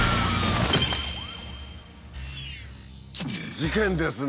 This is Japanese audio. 事件ですね。